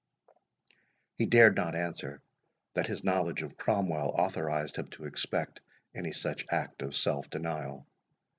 He dared not answer that his knowledge of Cromwell authorised him to expect any such act of self denial.